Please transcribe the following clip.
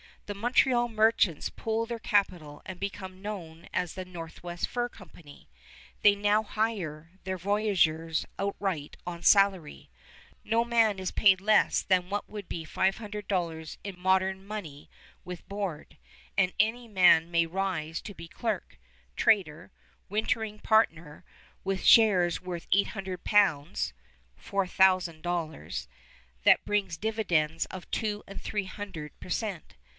The Montreal merchants pool their capital and become known as the Northwest Fur Company. They now hire their voyageurs outright on a salary. No man is paid less than what would be $500 in modern money, with board; and any man may rise to be clerk, trader, wintering partner, with shares worth 800 pounds ($4000), that bring dividends of two and three hundred per cent.